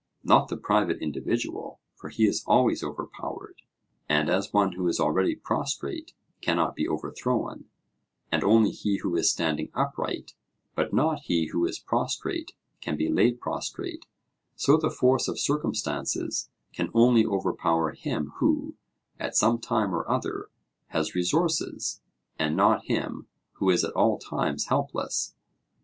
not the private individual, for he is always overpowered; and as one who is already prostrate cannot be overthrown, and only he who is standing upright but not he who is prostrate can be laid prostrate, so the force of circumstances can only overpower him who, at some time or other, has resources, and not him who is at all times helpless.